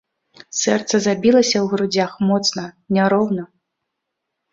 Сэрца забілася ў грудзях моцна, няроўна.